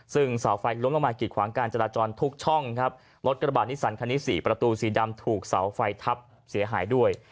ซึ่งเสาไฟล้มลงมากิดขวางการจราจรทุกช่องครับรถกระบาดนิสันคันนี้สี่ประตูสีดำถูกเสาไฟทับเสียหายด้วย